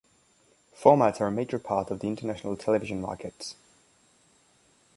Formats are a major part of the international television market.